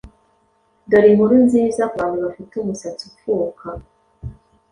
Dore inkuru nziza ku bantu bafite umusatsi upfuka